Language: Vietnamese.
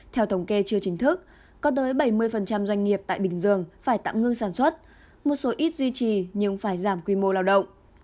theo thống kê chưa chính thức có tới bảy mươi doanh nghiệp tại bình dương phải tạm ngưng sản xuất một số ít duy trì nhưng phải giảm quy mô lao động